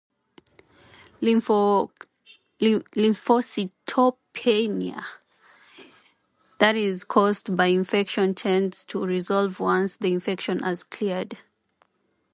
Lymphocytopenia that is caused by infections tends to resolve once the infection has cleared.